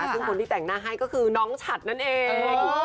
ซึ่งคนที่แต่งหน้าให้ก็คือน้องฉัดนั่นเอง